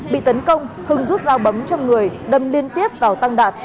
bị tấn công hưng rút dao bấm trong người đâm liên tiếp vào tăng đạt